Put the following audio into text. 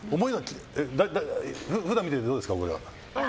普段見ていて、どうですか？